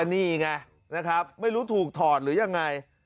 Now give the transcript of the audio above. นี่ไงนะครับไม่รู้ถูกถอดหรือยังไง